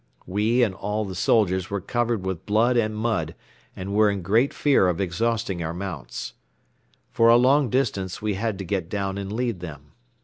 We and all the soldiers were covered with blood and mud and were in great fear of exhausting our mounts. For a long distance we had to get down and lead them.